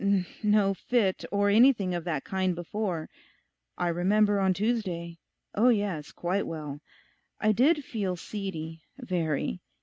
no fit, or anything of that kind before. I remember on Tuesday... oh yes, quite well. I did feel seedy, very.